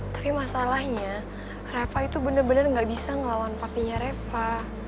tapi masalahnya reva itu bener bener gak bisa ngelawan papinya reva